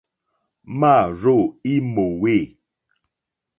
Mârzô í mòwê.